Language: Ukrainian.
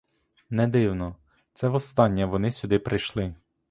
Не дивно: це востаннє вони сюди прийшли.